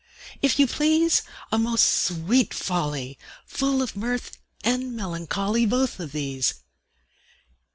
If you please, A most sweet folly! Full of mirth and melancholy: Both of these!